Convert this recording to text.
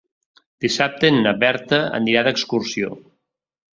Dissabte na Berta anirà d'excursió.